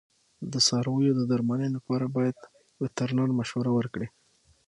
د څارویو د درملنې لپاره باید وترنر مشوره ورکړي.